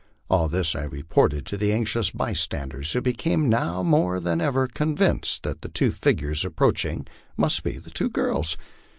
All this I repdrted to the anxious bystanders, who became now more than ever convinced that the two figures approaching must be the two girls.